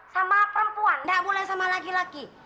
sama perempuan tidak boleh sama laki laki